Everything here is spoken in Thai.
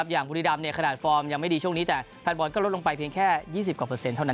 อย่างภูติดำขนาดฟอร์มยังไม่ดีช่วงนี้แต่แฟนฟุตบอลก็ลดลงไปเพียงแค่๒๐เท่านั้น